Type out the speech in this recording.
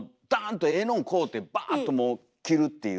とええのん買うてバーッともう着るっていう。